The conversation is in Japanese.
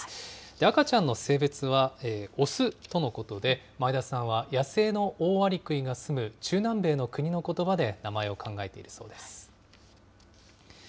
赤ちゃんの性別は雄とのことで、前田さんは、野生のオオアリクイが住む中南米の国のことばで名前を考えているそうです。